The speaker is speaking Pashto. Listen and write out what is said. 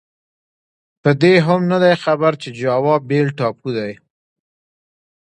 په دې هم نه دی خبر چې جاوا بېل ټاپو دی.